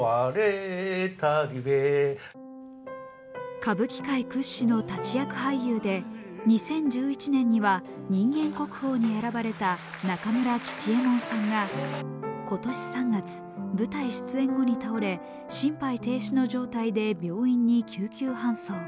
歌舞伎界屈指の立役俳優で、２０１１年には人間国宝に選ばれた中村吉右衛門さんが今年３月、舞台出演後に倒れ、心肺停止の状態で病院に救急搬送。